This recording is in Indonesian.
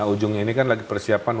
ujungnya ini kan lagi persiapan